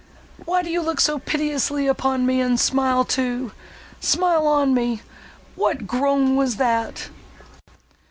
Why do you look so piteously upon me—and smile, too? smile on me! What groan was that?"